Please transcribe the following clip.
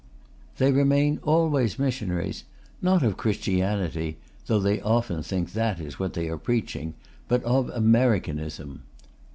They remain always missionaries not of Christianity, though they often think that is what they are preaching, but of Americanism.